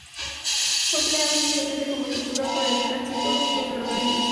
Fue empleada inicialmente como estructura para el tránsito de ferrocarriles.